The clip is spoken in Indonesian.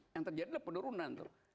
yang terjadi adalah penurunan tuh